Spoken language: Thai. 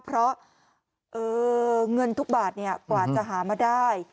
เพราะเงินทุกบาทกว่าจะหามาได้